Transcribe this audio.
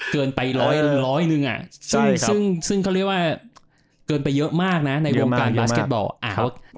เกินไปร้อยหนึ่งซึ่งเขาเรียกว่าเกินไปเยอะมากนะในวงการบาสเก็ตบอล